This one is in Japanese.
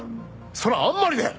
それはあんまりだよ。